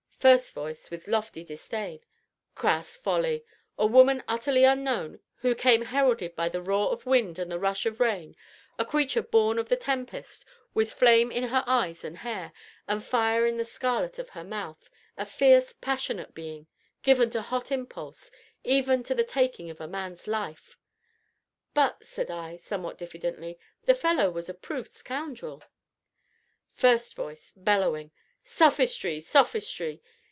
FIRST VOICE (with lofty disdain). Crass folly! a woman utterly unknown, who came heralded by the roar of wind and the rush of rain a creature born of the tempest, with flame in her eyes and hair, and fire in the scarlet of her mouth; a fierce, passionate being, given to hot impulse even to the taking of a man's life! ("But," said I, somewhat diffidently, "the fellow was a proved scoundrel!") FIRST VOICE (bellowing). Sophistry! sophistry!